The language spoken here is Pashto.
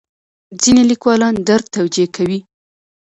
ځینې لیکوالان درد توجیه کوي.